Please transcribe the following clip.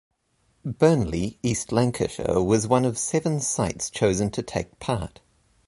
Burnley, East Lancashire was one of seven sites chosen to take part.